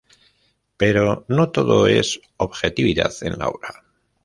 Pero no todo es objetividad en la obra.